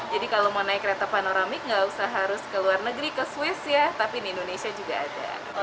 jadi kalau mau naik kereta panoramik gak usah harus ke luar negeri ke swiss ya tapi di indonesia juga ada